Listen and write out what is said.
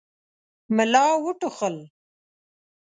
ملا وټوخل.